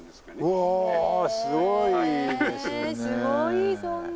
へえすごいそんな。